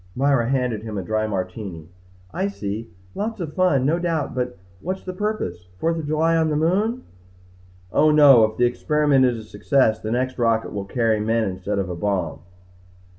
Myra handed him a dry Martini. "I see. Lots of fun no doubt but what's the purpose? Fourth of July on the moon?" "Oh, no. If the experiment is a success the next rocket will carry men instead of a bomb."